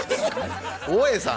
大江さん